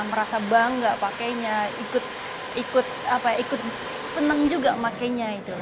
merasa bangga pakainya ikut seneng juga makanya itu